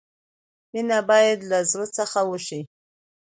مینه باید لۀ زړۀ څخه وشي.